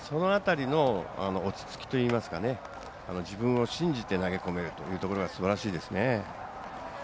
落ち着きといいますか自分を信じて投げ込めるというところがすばらしいですね。